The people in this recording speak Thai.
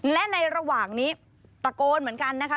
และในระหว่างนี้ตะโกนเหมือนกันนะคะ